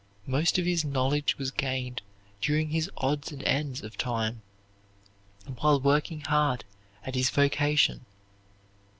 Most of his knowledge was gained during his odds and ends of time, while working hard at his vocation.